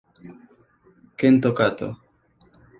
Kento Kato